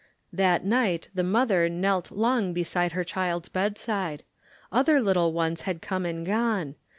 That night the mother knelt long beside her child's bedside. Other little ones had come and gone.